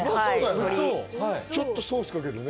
ちょっとソースかけてね。